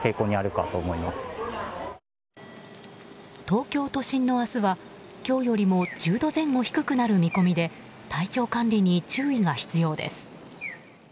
東京都心の明日は、今日よりも１０度前後低くなる見込みで体調管理に注意が必要です。